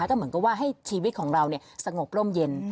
ก็เหมือนกับว่าให้ชีวิตของเราเนี่ยสงบร่มเย็น